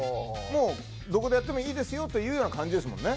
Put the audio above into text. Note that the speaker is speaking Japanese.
どこでやってもいいですよという感じですもんね。